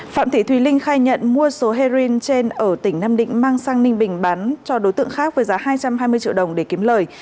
phạm thị thùy linh khai nhận mua số heroin trên ở tỉnh nam định mang sang ninh bình bán cho đối tượng khác với giá hai trăm hai mươi triệu đồng để kiếm lời